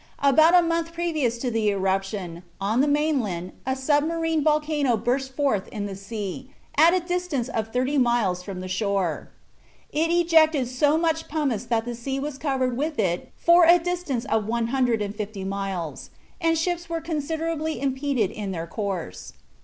About a month previous to the eruption on the main land a submarine volcano burst forth in the sea, at a distance of thirty miles from the shore. It ejected so much pumice that the sea was covered with it for a distance of 150 miles, and ships were considerably impeded in their course.